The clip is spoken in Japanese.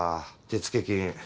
手付け金